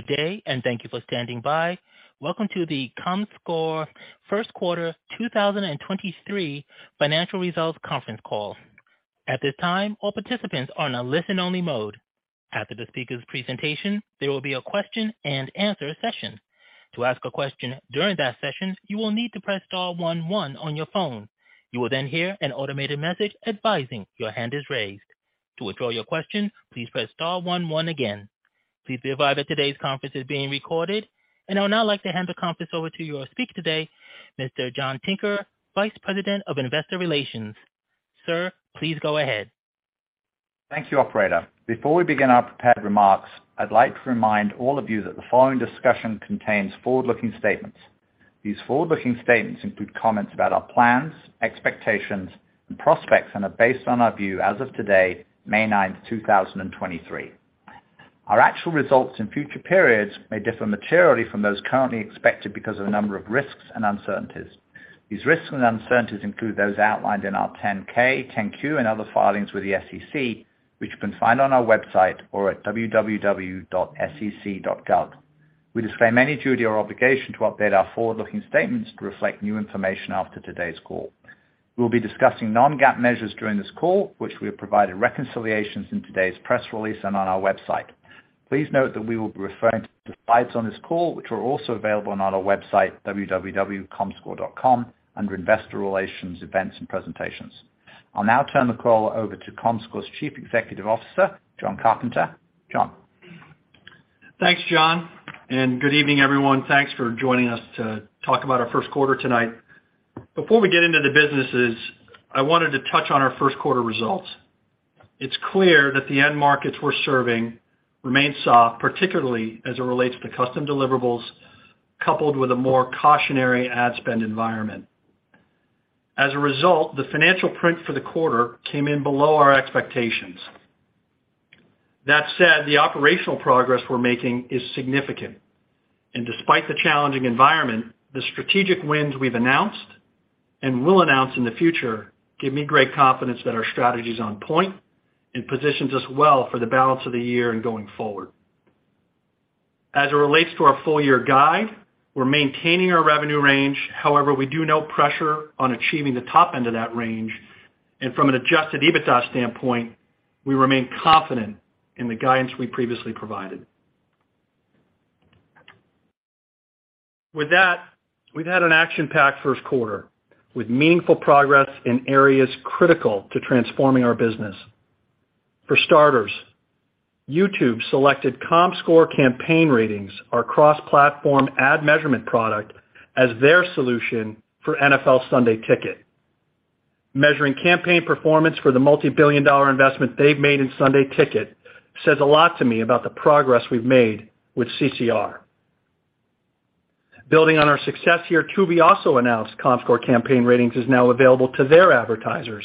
Good day, thank you for standing by. Welcome to the Comscore First Quarter 2023 Financial Results Conference Call. At this time, all participants are on a listen-only mode. After the speaker's presentation, there will be a question-and-answer session. To ask a question during that session, you will need to press star one one on your phone. You will hear an automated message advising your hand is raised. To withdraw your question, please press star one one again. Please be advised that today's conference is being recorded. I would now like to hand the conference over to your speaker today, Mr. John Tinker, Vice President of Investor Relations. Sir, please go ahead. Thank you, operator. Before we begin our prepared remarks, I'd like to remind all of you that the following discussion contains forward-looking statements. These forward-looking statements include comments about our plans, expectations, and prospects, and are based on our view as of today, May 9, 2023. Our actual results in future periods may differ materially from those currently expected because of the number of risks and uncertainties. These risks and uncertainties include those outlined in our 10-K, 10-Q, and other filings with the SEC, which you can find on our website or at www.sec.gov. We disclaim any duty or obligation to update our forward-looking statements to reflect new information after today's call. We'll be discussing non-GAAP measures during this call, which we have provided reconciliations in today's press release and on our website. Please note that we will be referring to the slides on this call, which are also available on our website, www.comscore.com, under Investor Relations, Events, and Presentations. I'll now turn the call over to Comscore's Chief Executive Officer, Jon Carpenter. John. Thanks, John, good evening, everyone. Thanks for joining us to talk about our first quarter tonight. Before we get into the businesses, I wanted to touch on our first quarter results. It's clear that the end markets we're serving remain soft, particularly as it relates to custom deliverables, coupled with a more cautionary ad spend environment. The financial print for the quarter came in below our expectations. That said, the operational progress we're making is significant. Despite the challenging environment, the strategic wins we've announced and will announce in the future give me great confidence that our strategy is on point and positions us well for the balance of the year and going forward. It relates to our full-year guide, we're maintaining our revenue range. However, we do know pressure on achieving the top end of that range. From an Adjusted EBITDA standpoint, we remain confident in the guidance we previously provided. With that, we've had an action-packed first quarter with meaningful progress in areas critical to transforming our business. For starters, YouTube selected Comscore Campaign Ratings, our cross-platform ad measurement product, as their solution for NFL Sunday Ticket. Measuring campaign performance for the $multi-billion investment they've made in Sunday Ticket says a lot to me about the progress we've made with CCR. Building on our success here, Tubi also announced Comscore Campaign Ratings is now available to their advertisers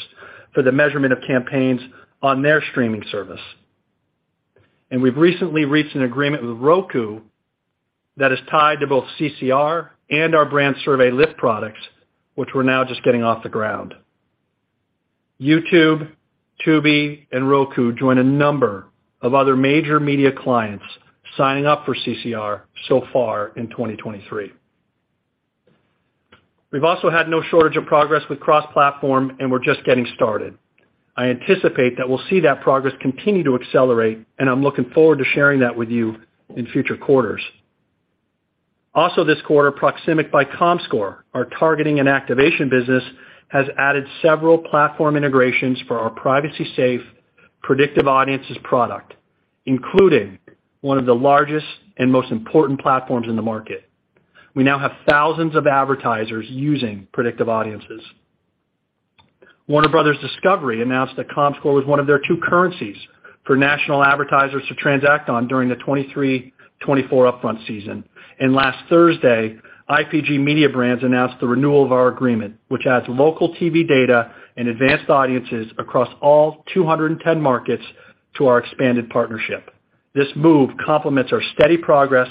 for the measurement of campaigns on their streaming service. We've recently reached an agreement with Roku that is tied to both CCR and our Brand Survey Lift products, which we're now just getting off the ground. YouTube, Tubi, and Roku join a number of other major media clients signing up for CCR so far in 2023. We've also had no shortage of progress with cross-platform. We're just getting started. I anticipate that we'll see that progress continue to accelerate. I'm looking forward to sharing that with you in future quarters. This quarter, Proximic by Comscore, our targeting and activation business, has added several platform integrations for our privacy safe Predictive Audiences product, including one of the largest and most important platforms in the market. We now have thousands of advertisers using Predictive Audiences. Warner Bros. Discovery announced that Comscore was one of their two currencies for national advertisers to transact on during the 2023, 2024 upfront season. Last Thursday, IPG Mediabrands announced the renewal of our agreement, which adds local TV data and Advanced Audiences across all 210 markets to our expanded partnership. This move complements our steady progress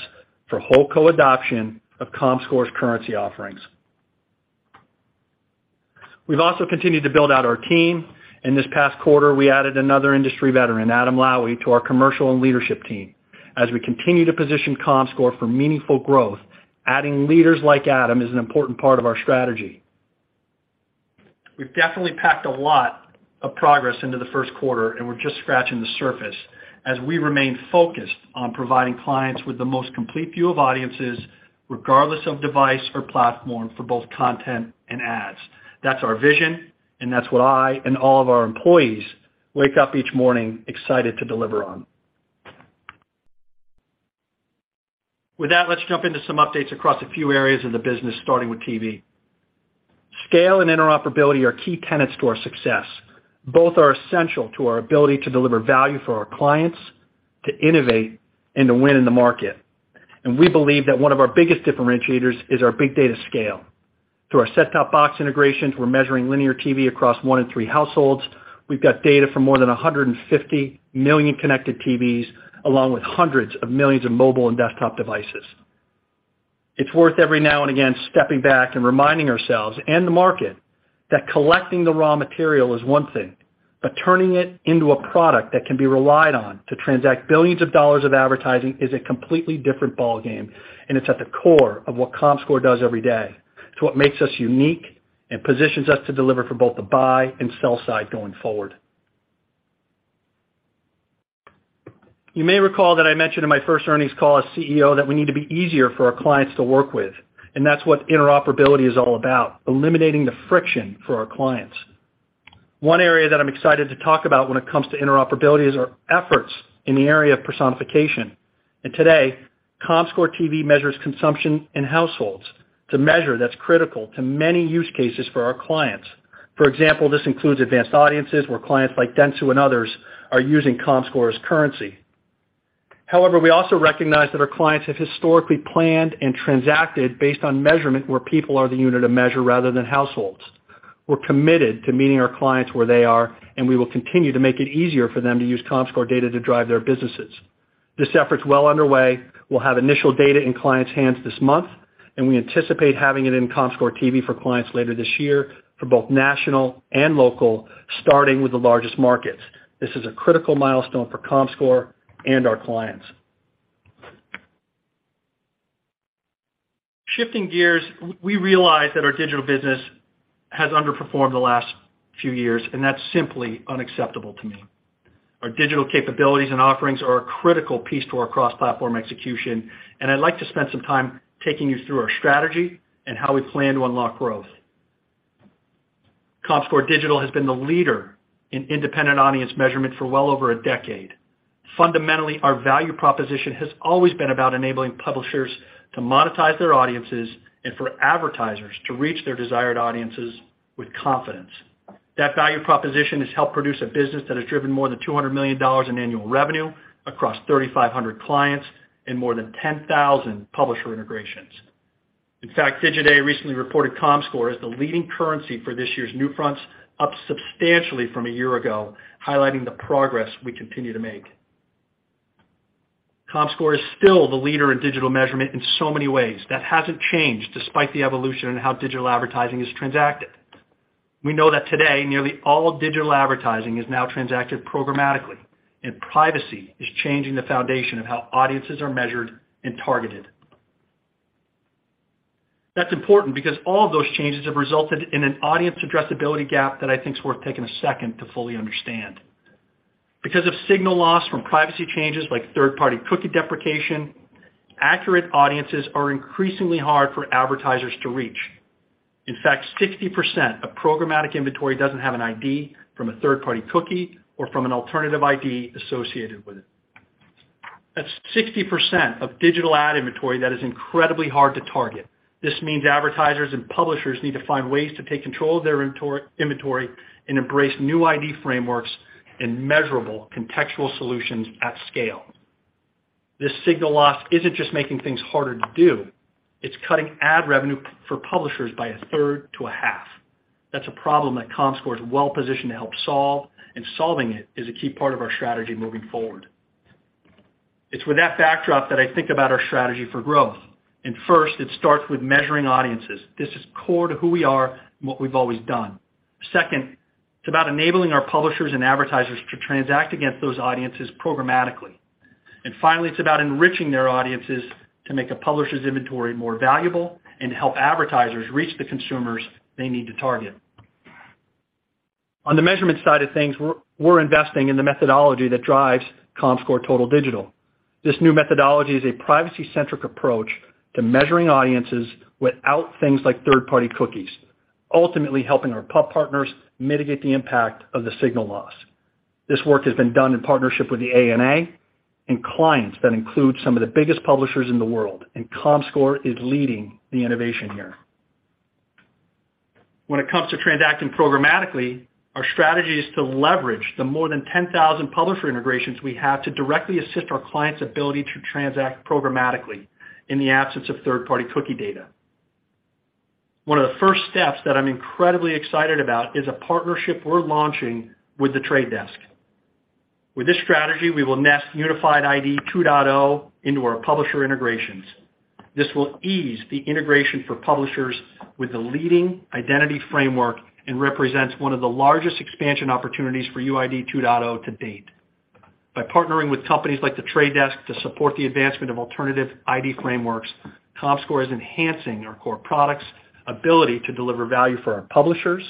for holistic adoption of Comscore's currency offerings. We've also continued to build out our team. In this past quarter, we added another industry veteran, Adam Lowy, to our commercial and leadership team. As we continue to position Comscore for meaningful growth, adding leaders like Adam is an important part of our strategy. We've definitely packed a lot of progress into the first quarter, and we're just scratching the surface as we remain focused on providing clients with the most complete view of audiences, regardless of device or platform, for both content and ads. That's our vision, and that's what I and all of our employees wake up each morning excited to deliver on. With that, let's jump into some updates across a few areas of the business, starting with TV. Scale and interoperability are key tenets to our success. Both are essential to our ability to deliver value for our clients, to innovate, and to win in the market. We believe that one of our biggest differentiators is our big data scale. Through our set-top box integrations, we're measuring linear TV across one in three households. We've got data for more than 150 million connected TVs, along with hundreds of millions of mobile and desktop devices. It's worth every now and again stepping back and reminding ourselves and the market that collecting the raw material is one thing, but turning it into a product that can be relied on to transact $ billions of advertising is a completely different ballgame, and it's at the core of what Comscore does every day. It's what makes us unique and positions us to deliver for both the buy and sell side going forward. You may recall that I mentioned in my first earnings call as CEO that we need to be easier for our clients to work with, and that's what interoperability is all about, eliminating the friction for our clients. One area that I'm excited to talk about when it comes to interoperability is our efforts in the area of personification. Today, Comscore TV measures consumption in households. It's a measure that's critical to many use cases for our clients. For example, this includes Advanced Audiences where clients like Dentsu and others are using Comscore's currency. However, we also recognize that our clients have historically planned and transacted based on measurement where people are the unit of measure rather than households. We're committed to meeting our clients where they are, we will continue to make it easier for them to use Comscore data to drive their businesses. This effort's well underway. We'll have initial data in clients' hands this month, we anticipate having it in Comscore TV for clients later this year for both national and local, starting with the largest markets. This is a critical milestone for Comscore and our clients. Shifting gears, we realize that our digital business has underperformed the last few years, and that's simply unacceptable to me. Our digital capabilities and offerings are a critical piece to our cross-platform execution, and I'd like to spend some time taking you through our strategy and how we plan to unlock growth. Comscore Digital has been the leader in independent audience measurement for well over a decade. Fundamentally, our value proposition has always been about enabling publishers to monetize their audiences and for advertisers to reach their desired audiences with confidence. That value proposition has helped produce a business that has driven more than $200 million in annual revenue across 3,500 clients and more than 10,000 publisher integrations. In fact, Digiday recently reported Comscore as the leading currency for this year's NewFronts, up substantially from a year ago, highlighting the progress we continue to make. Comscore is still the leader in digital measurement in so many ways. That hasn't changed despite the evolution in how digital advertising is transacted. We know that today, nearly all digital advertising is now transacted programmatically, and privacy is changing the foundation of how audiences are measured and targeted. That's important because all of those changes have resulted in an audience addressability gap that I think is worth taking a second to fully understand. Because of signal loss from privacy changes like third-party cookie deprecation, accurate audiences are increasingly hard for advertisers to reach. In fact, 60% of programmatic inventory doesn't have an ID from a third-party cookie or from an alternative ID associated with it. That's 60% of digital ad inventory that is incredibly hard to target. This means advertisers and publishers need to find ways to take control of their inventory and embrace new ID frameworks and measurable contextual solutions at scale. This signal loss isn't just making things harder to do, it's cutting ad revenue for publishers by a third to a half. That's a problem that Comscore is well-positioned to help solve, and solving it is a key part of our strategy moving forward. It's with that backdrop that I think about our strategy for growth. First, it starts with measuring audiences. This is core to who we are and what we've always done. Second, it's about enabling our publishers and advertisers to transact against those audiences programmatically. Finally, it's about enriching their audiences to make a publisher's inventory more valuable and help advertisers reach the consumers they need to target. On the measurement side of things, we're investing in the methodology that drives Comscore Total Digital. This new methodology is a privacy-centric approach to measuring audiences without things like third-party cookies, ultimately helping our pub partners mitigate the impact of the signal loss. This work has been done in partnership with the ANA and clients that include some of the biggest publishers in the world, and Comscore is leading the innovation here. When it comes to transacting programmatically, our strategy is to leverage the more than 10,000 publisher integrations we have to directly assist our clients' ability to transact programmatically in the absence of third-party cookie data. One of the first steps that I'm incredibly excited about is a partnership we're launching with The Trade Desk. With this strategy, we will nest Unified ID 2.0 into our publisher integrations. This will ease the integration for publishers with the leading identity framework and represents one of the largest expansion opportunities for UID 2.0 to date. By partnering with companies like The Trade Desk to support the advancement of alternative ID frameworks, Comscore is enhancing our core products' ability to deliver value for our publishers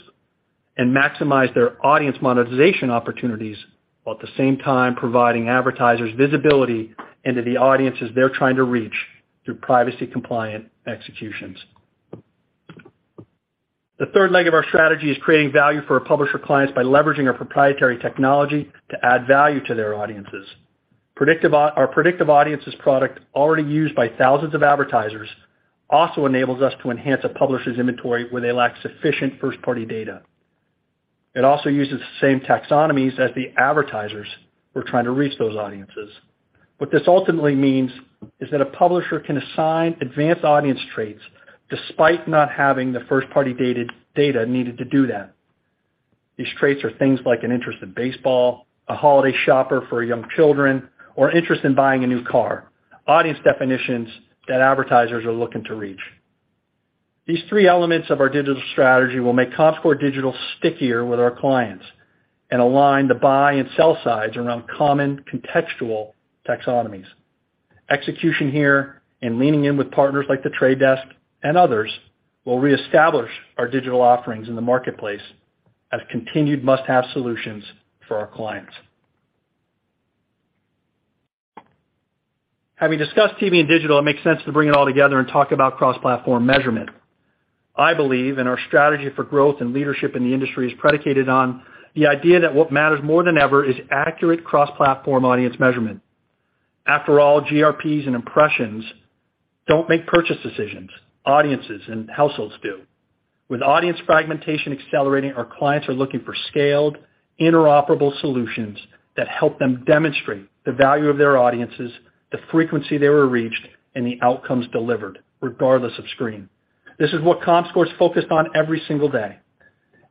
and maximize their audience monetization opportunities, while at the same time providing advertisers visibility into the audiences they're trying to reach through privacy compliant executions. The third leg of our strategy is creating value for our publisher clients by leveraging our proprietary technology to add value to their audiences. Our Predictive Audiences product, already used by thousands of advertisers, also enables us to enhance a publisher's inventory where they lack sufficient first-party data. It uses the same taxonomies as the advertisers who are trying to reach those audiences. What this ultimately means is that a publisher can assign advanced audience traits despite not having the first-party data needed to do that. These traits are things like an interest in baseball, a holiday shopper for young children, or interest in buying a new car, audience definitions that advertisers are looking to reach. These three elements of our digital strategy will make Comscore Digital stickier with our clients and align the buy and sell sides around common contextual taxonomies. Execution here leaning in with partners like The Trade Desk and others will reestablish our digital offerings in the marketplace as continued must-have solutions for our clients. Having discussed TV and digital, it makes sense to bring it all together and talk about cross-platform measurement. I believe in our strategy for growth and leadership in the industry is predicated on the idea that what matters more than ever is accurate cross-platform audience measurement. After all, GRPs and impressions don't make purchase decisions, audiences and households do. With audience fragmentation accelerating, our clients are looking for scaled, interoperable solutions that help them demonstrate the value of their audiences, the frequency they were reached, and the outcomes delivered regardless of screen. This is what Comscore is focused on every single day.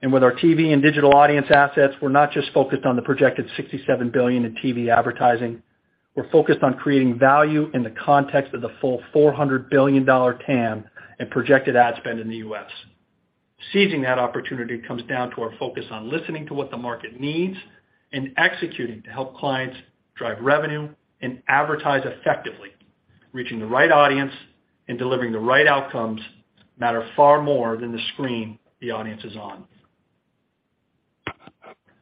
With our TV and digital audience assets, we're not just focused on the projected $67 billion in TV advertising, we're focused on creating value in the context of the full $400 billion TAM and projected ad spend in the U.S. Seizing that opportunity comes down to our focus on listening to what the market needs and executing to help clients drive revenue and advertise effectively. Reaching the right audience and delivering the right outcomes matter far more than the screen the audience is on.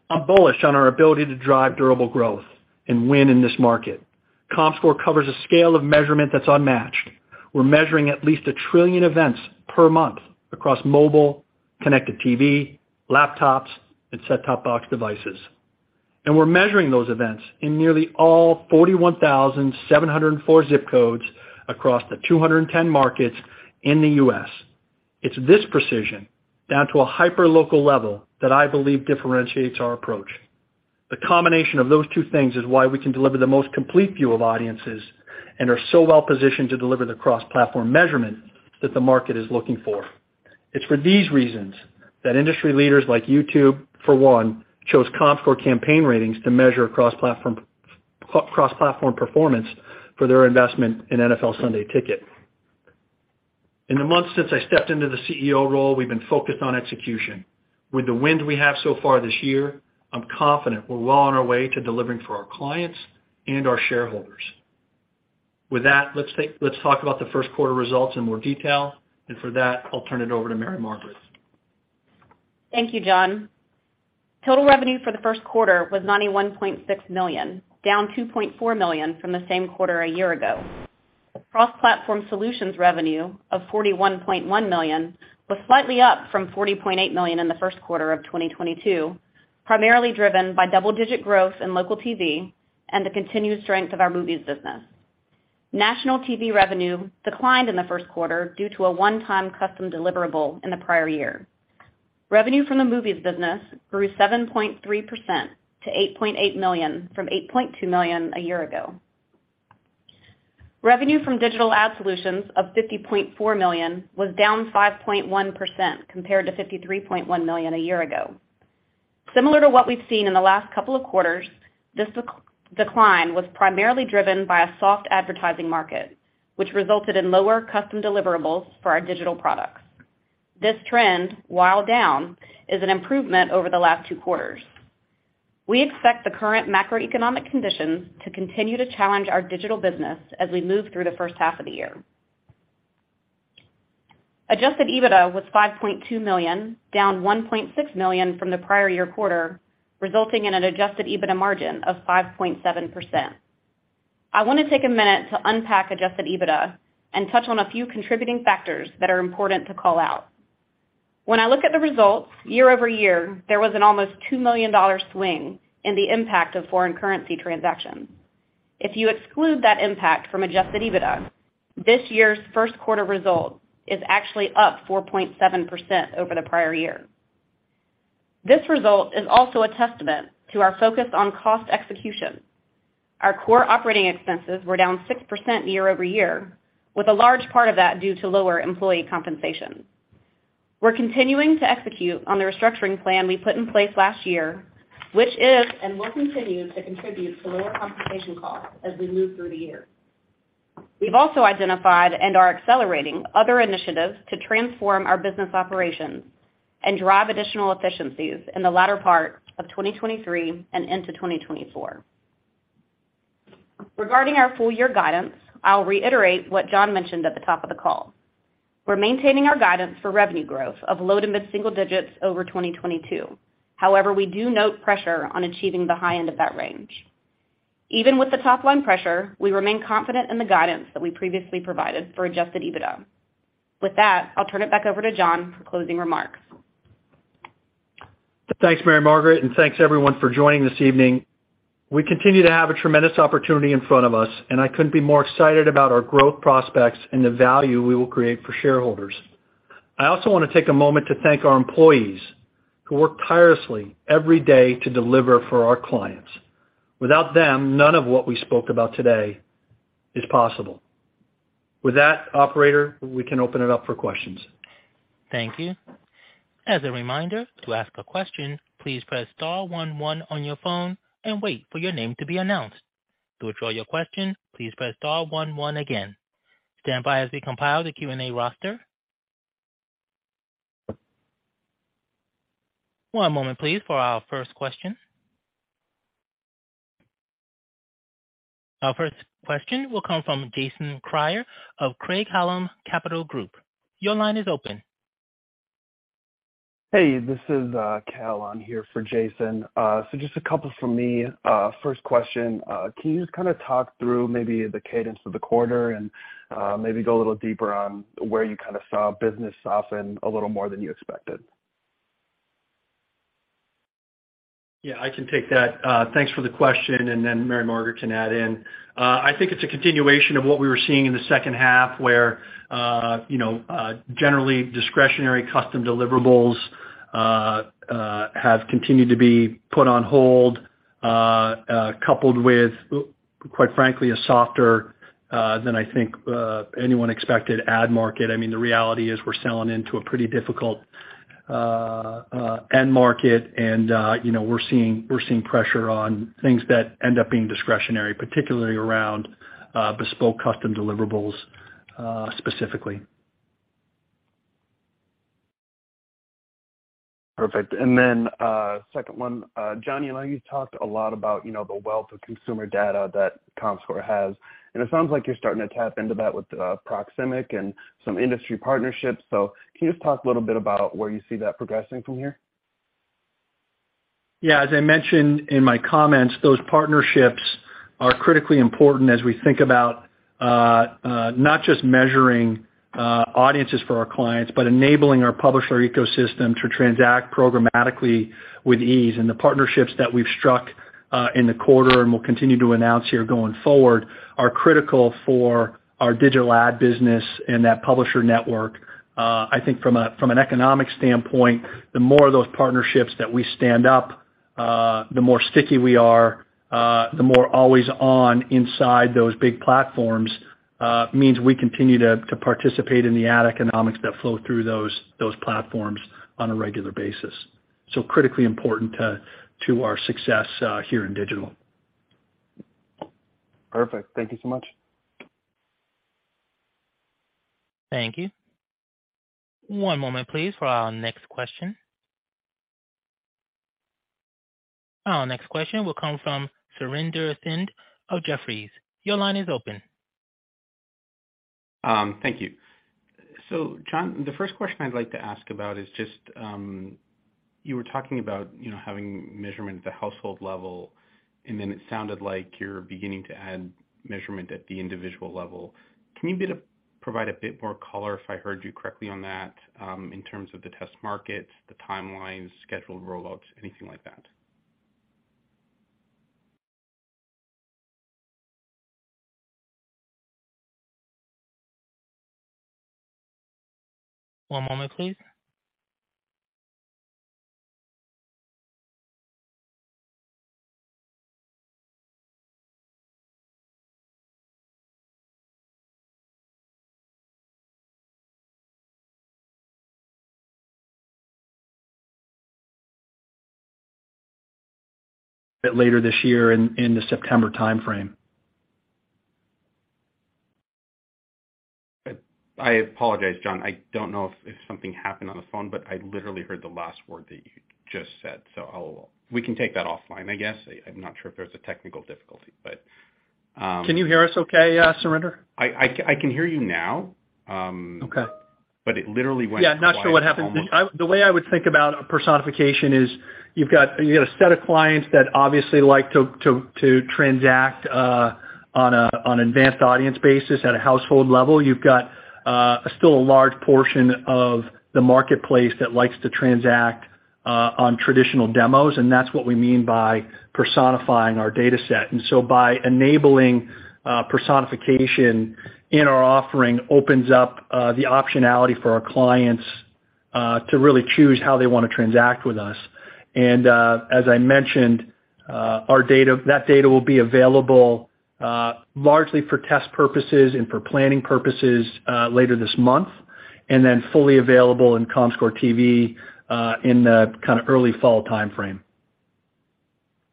I'm bullish on our ability to drive durable growth and win in this market. Comscore covers a scale of measurement that's unmatched. We're measuring at least a trillion events per month across mobile, connected TV, laptops, and set-top box devices. We're measuring those events in nearly all 41,704 zip codes across the 210 markets in the U.S. It's this precision, down to a hyperlocal level, that I believe differentiates our approach. The combination of those two things is why we can deliver the most complete view of audiences and are so well positioned to deliver the cross-platform measurement that the market is looking for. It's for these reasons that industry leaders like YouTube, for one, chose Comscore Campaign Ratings to measure cross-platform performance for their investment in NFL Sunday Ticket. In the months since I stepped into the CEO role, we've been focused on execution. With the wind we have so far this year, I'm confident we're well on our way to delivering for our clients and our shareholders. Let's talk about the first quarter results in more detail, and for that, I'll turn it over to Mary Margaret. Thank you, John. Total revenue for the first quarter was $91.6 million, down $2.4 million from the same quarter a year ago. Cross Platform Solutions revenue of $41.1 million was slightly up from $40.8 million in the first quarter of 2022, primarily driven by double-digit growth in local TV and the continued strength of our movies business. National TV revenue declined in the first quarter due to a one-time custom deliverable in the prior year. Revenue from the movies business grew 7.3% to $8.8 million from $8.2 million a year ago. Revenue from Digital Ad Solutions of $50.4 million was down 5.1% compared to $53.1 million a year ago. Similar to what we've seen in the last couple of quarters, this decline was primarily driven by a soft advertising market, which resulted in lower custom deliverables for our digital products. This trend, while down, is an improvement over the last two quarters. We expect the current macroeconomic conditions to continue to challenge our digital business as we move through the first half of the year. Adjusted EBITDA was $5.2 million, down $1.6 million from the prior year quarter, resulting in an Adjusted EBITDA margin of 5.7%. I want to take a minute to unpack Adjusted EBITDA and touch on a few contributing factors that are important to call out. When I look at the results year-over-year, there was an almost $2 million swing in the impact of foreign currency transactions. If you exclude that impact from Adjusted EBITDA, this year's first quarter result is actually up 4.7% over the prior year. This result is also a testament to our focus on cost execution. Our core operating expenses were down 6% year-over-year, with a large part of that due to lower employee compensation. We're continuing to execute on the restructuring plan we put in place last year, which is and will continue to contribute to lower compensation costs as we move through the year. We've also identified and are accelerating other initiatives to transform our business operations and drive additional efficiencies in the latter part of 2023 and into 2024. Regarding our full year guidance, I'll reiterate what John mentioned at the top of the call. We're maintaining our guidance for revenue growth of low to mid-single digits over 2022. We do note pressure on achieving the high end of that range. Even with the top-line pressure, we remain confident in the guidance that we previously provided for Adjusted EBITDA. With that, I'll turn it back over to John for closing remarks. Thanks, Mary Margaret. Thanks everyone for joining this evening. We continue to have a tremendous opportunity in front of us, and I couldn't be more excited about our growth prospects and the value we will create for shareholders. I also want to take a moment to thank our employees who work tirelessly every day to deliver for our clients. Without them, none of what we spoke about today is possible. With that, operator, we can open it up for questions. Thank you. As a reminder, to ask a question, please press star one one on your phone and wait for your name to be announced. To withdraw your question, please press star one one again. Stand by as we compile the Q&A roster. One moment please for our first question. Our first question will come from Jason Kreyer of Craig-Hallum Capital Group. Your line is open. Hey, this is Cal. I'm here for Jason. Just a couple from me. First question, can you just kinda talk through maybe the cadence of the quarter and maybe go a little deeper on where you kinda saw business soften a little more than you expected? Yeah, I can take that. Thanks for the question, and then Mary Margaret can add in. I think it's a continuation of what we were seeing in the second half where, you know, generally discretionary custom deliverables have continued to be put on hold, coupled with, quite frankly, a softer than I think anyone expected ad market. I mean, the reality is we're selling into a pretty difficult end market and, you know, we're seeing pressure on things that end up being discretionary, particularly around bespoke custom deliverables, specifically. Perfect. Jon, I know you've talked a lot about, you know, the wealth of Comscore consumer data that Comscore has, and it sounds like you're starting to tap into that with Proximic and some industry partnerships. Can you just talk a little bit about where you see that progressing from here? Yeah. As I mentioned in my comments, those partnerships are critically important as we think about not just measuring audiences for our clients, but enabling our publisher ecosystem to transact programmatically with ease. The partnerships that we've struck in the quarter and we'll continue to announce here going forward are critical for our digital ad business and that publisher network. I think from an economic standpoint, the more of those partnerships that we stand up, the more sticky we are, the more always on inside those big platforms, means we continue to participate in the ad economics that flow through those platforms on a regular basis. Critically important to our success here in digital. Perfect. Thank you so much. Thank you. One moment please for our next question. Our next question will come from Surinder Thind of Jefferies. Your line is open. Thank you. Jon, the first question I'd like to ask about is just, you were talking about, you know, having measurement at the household level, and then it sounded like you're beginning to add measurement at the individual level. Can you provide a bit more color if I heard you correctly on that, in terms of the test markets, the timelines, scheduled rollouts, anything like that? One moment please. Bit later this year in the September timeframe. I apologize, John. I don't know if something happened on the phone, but I literally heard the last word that you just said. I'll. We can take that offline, I guess. I'm not sure if there's a technical difficulty, but. Can you hear us okay, Surinder? I can hear you now. Okay. it literally went quiet almost... Not sure what happened. The way I would think about personification is you've got a set of clients that obviously like to transact on an advanced audience basis at a household level. You've got still a large portion of the marketplace that likes to transact on traditional demos, and that's what we mean by personifying our dataset. By enabling personification in our offering opens up the optionality for our clients to really choose how they wanna transact with us. As I mentioned, that data will be available largely for test purposes and for planning purposes later this month, and then fully available in Comscore TV in the kinda early fall timeframe.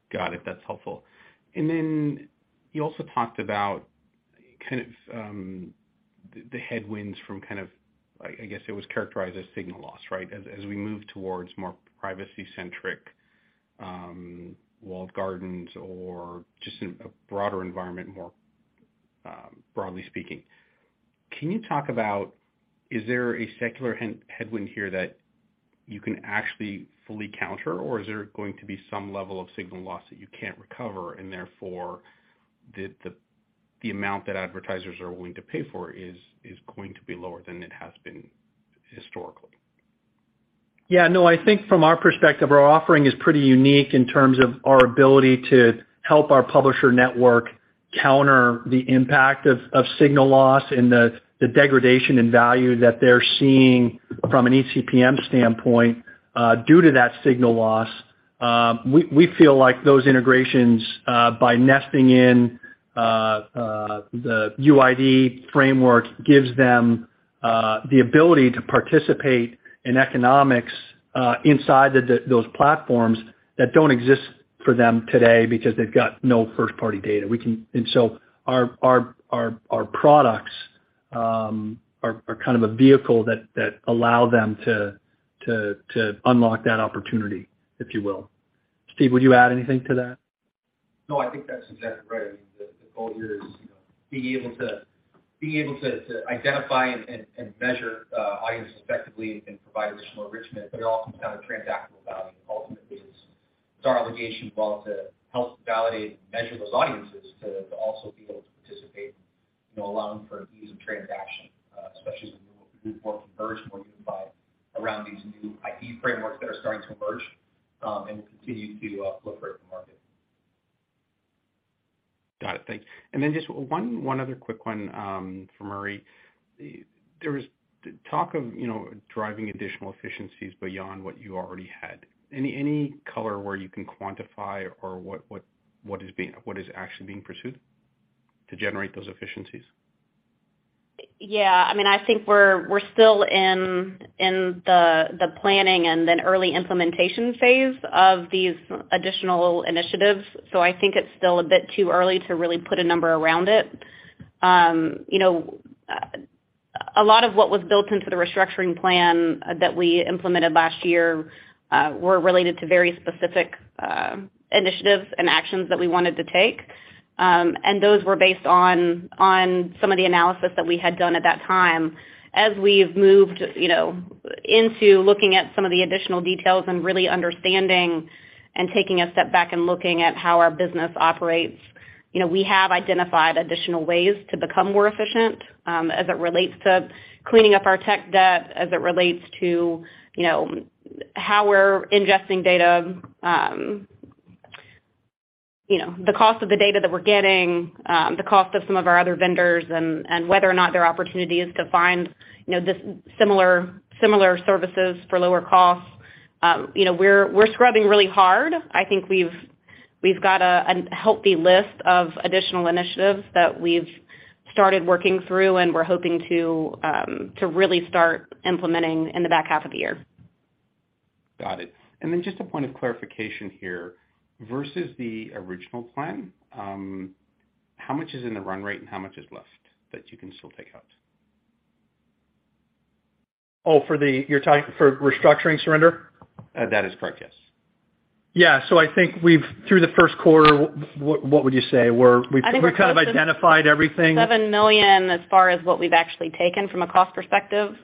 Got it. That's helpful. Then you also talked about kind of the headwinds from kind of I guess it was characterized as signal loss, right? As we move towards more privacy-centric walled gardens or just a broader environment more broadly speaking. Can you talk about, is there a secular headwind here that you can actually fully counter, or is there going to be some level of signal loss that you can't recover and therefore the amount that advertisers are willing to pay for is going to be lower than it has been historically? Yeah. No, I think from our perspective, our offering is pretty unique in terms of our ability to help our publisher network counter the impact of signal loss and the degradation in value that they're seeing from an eCPM standpoint due to that signal loss. We feel like those integrations by nesting in the UID framework gives them the ability to participate in economics inside those platforms that don't exist for them today because they've got no first party data. Our products are kind of a vehicle that allow them to unlock that opportunity, if you will. Steve, would you add anything to that? No, I think that's exactly right. I mean, the goal here is, you know, being able to identify and measure audiences effectively and provide additional enrichment, but it also have a transactional value. Ultimately, it's our obligation as well to help validate and measure those audiences to also be able to participate, you know, allowing for ease of transaction, especially as we move more converged, more unified around these new ID frameworks that are starting to emerge, and we'll continue to look for it in the market. Got it. Thanks. Just one other quick one for Mary Margaret. There was talk of, you know, driving additional efficiencies beyond what you already had. Any color where you can quantify or what is actually being pursued to generate those efficiencies? I mean, I think we're still in the planning and then early implementation phase of these additional initiatives. I think it's still a bit too early to really put a number around it. You know, a lot of what was built into the restructuring plan that we implemented last year, were related to very specific initiatives and actions that we wanted to take. Those were based on some of the analysis that we had done at that time. As we've moved, you know, into looking at some of the additional details and really understanding and taking a step back and looking at how our business operates, you know, we have identified additional ways to become more efficient, as it relates to cleaning up our tech debt, as it relates to, you know, how we're ingesting data. You know, the cost of the data that we're getting, the cost of some of our other vendors and whether or not there are opportunities to find, you know, similar services for lower costs. You know, we're scrubbing really hard. I think we've got a healthy list of additional initiatives that we've started working through, and we're hoping to really start implementing in the back half of the year. Got it. Then just a point of clarification here. Versus the original plan, how much is in the run rate and how much is left that you can still take out? You're talking for restructuring, Surinder? That is correct, yes. Yeah. I think through the first quarter, what would you say? I think. we kind of identified everything. $7 million as far as what we've actually taken from a cost perspective.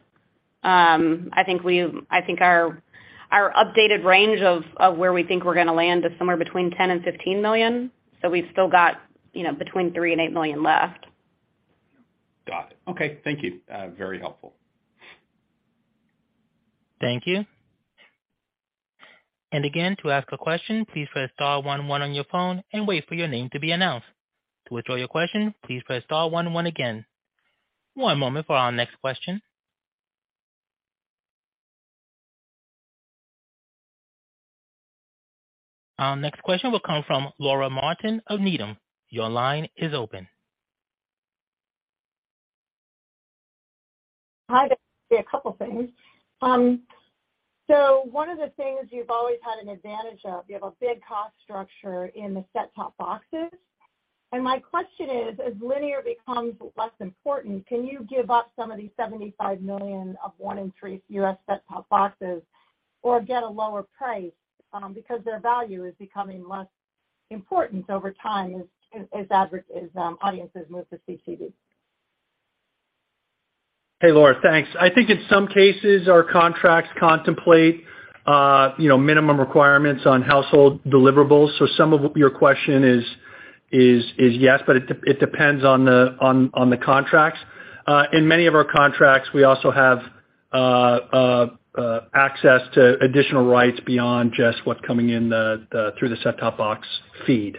I think our updated range of where we think we're going to land is somewhere between $10 million and $15 million. We've still got, you know, between $3 million and $8 million left. Got it. Okay. Thank you. Very helpful. Thank you. Again, to ask a question, please press star one one on your phone and wait for your name to be announced. To withdraw your question, please press star one one again. One moment for our next question. Our next question will come from Laura Martin of Needham. Your line is open. Hi, there. A couple things. One of the things you've always had an advantage of, you have a big cost structure in the set-top boxes. My question is, as linear becomes less important, can you give up some of the $75 million of one in three U.S. set-top boxes or get a lower price because their value is becoming less important over time as audiences move to CTV? Hey, Laura, thanks. I think in some cases, our contracts contemplate, you know, minimum requirements on household deliverables. Some of your question is yes, but it depends on the contracts. In many of our contracts, we also have access to additional rights beyond just what's coming in the through the set-top box feed.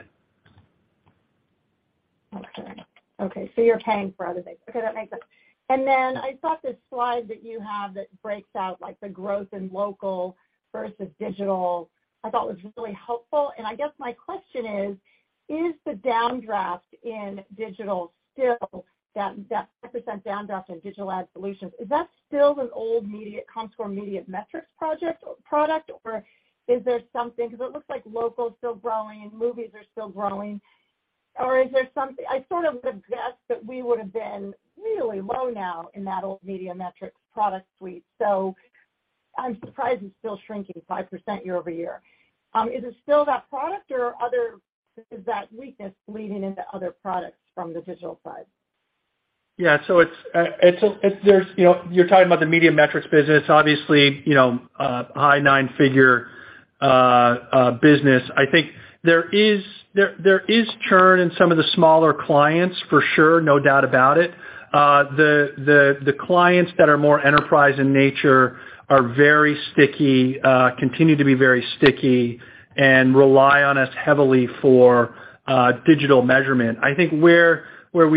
Okay. Okay. You're paying for other things. Okay, that makes sense. I thought this slide that you have that breaks out like the growth in local versus digital, I thought was really helpful. I guess my question is: Is the downdraft in digital still that percent downdraft in Digital Ad Solutions? Is that still an old Comscore Media Metrix project or product, or is there something? It looks like local is still growing and movies are still growing. Is there something I sort of would've guessed that we would have been really low now in that old Media Metrix product suite. I'm surprised it's still shrinking 5% year-over-year. Is it still that product or is that weakness bleeding into other products from the digital side? Yeah. It's, there's, you know, you're talking about the Media Metrix business. Obviously, you know, a high nine-figure business. I think there is churn in some of the smaller clients for sure, no doubt about it. The clients that are more enterprise in nature are very sticky, continue to be very sticky and rely on us heavily for digital measurement. I think where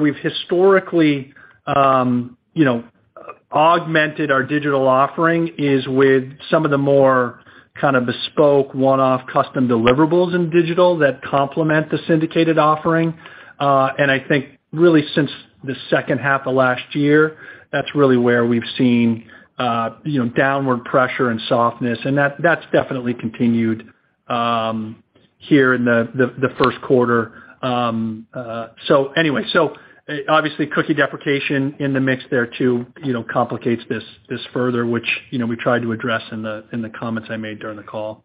we've historically, you know, augmented our digital offering is with some of the more kind of bespoke, one-off custom deliverables in digital that complement the syndicated offering. I think really since the second half of last year, that's really where we've seen, you know, downward pressure and softness. That's definitely continued here in the first quarter. Anyway. Obviously cookie deprecation in the mix there too, you know, complicates this further which, you know, we tried to address in the comments I made during the call.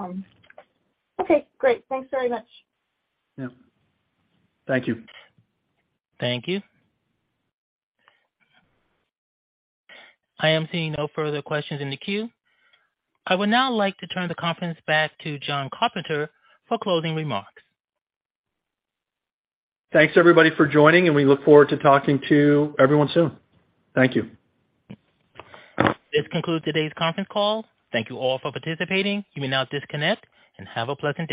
Okay. Great. Thanks very much. Yeah. Thank you. Thank you. I am seeing no further questions in the queue. I would now like to turn the conference back to Jon Carpenter for closing remarks. Thanks, everybody, for joining, and we look forward to talking to everyone soon. Thank you. This concludes today's conference call. Thank you all for participating. You may now disconnect and have a pleasant day.